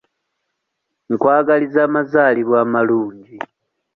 Nkwagaliza amazaalibwa amalungi.